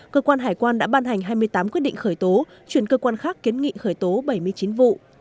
cơ quan hải quan đã ban hành hai mươi tám quyết định khởi tố chuyển cơ quan khác kiến nghị khởi tố bảy mươi chín vụ